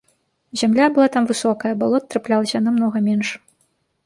Зямля была там высокая, балот траплялася намнога менш.